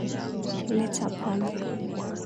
Leta Pombe